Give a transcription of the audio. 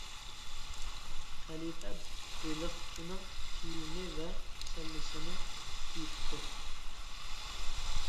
خەلىپە بېلىقچىنىڭ كىيىمى ۋە سەللىسىنى كىيىپتۇ.